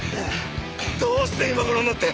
どうして今頃になって。